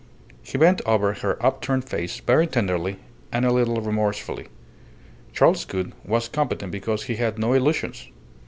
He bent over her upturned face very tenderly and a little remorsefully. Charles Gould was competent because he had no illusions.